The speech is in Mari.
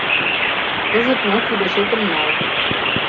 Кызыт мо кӱлешетым нал.